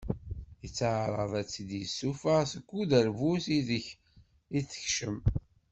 Yettaɛraḍ ad tt-id-yessufeɣ seg uderbuz ideg i teckem.